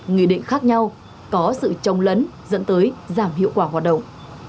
nghị định khác nhau có sự trông lấn dẫn tới giảm hiệu quả hoạt động